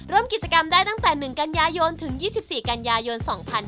ร่วมกิจกรรมได้ตั้งแต่๑กันยายนถึง๒๔กันยายน๒๕๕๙